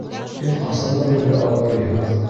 Һеҙ ҡасандан бирле ауырыйһығыҙ?